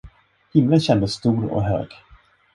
Himlen kändes stor och hög.